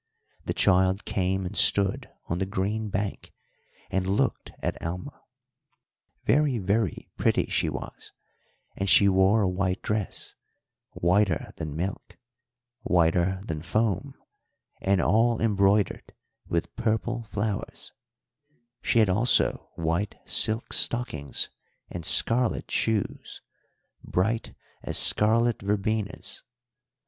The child came and stood on the green bank and looked at Alma. Very, very pretty she was; and she wore a white dress whiter than milk, whiter than foam, and all embroidered with purple flowers; she had also white silk stockings, and scarlet shoes, bright as scarlet verbenas.